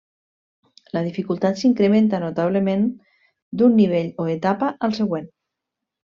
La dificultat s'incrementa notablement d'un nivell o etapa al següent.